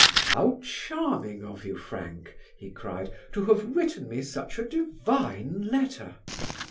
"How charming of you, Frank," he cried, "to have written me such a divine letter."